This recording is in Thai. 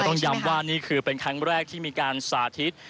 ต้องย้ำว่านี่คือเป็นครั้งแรกที่มีการสาธิต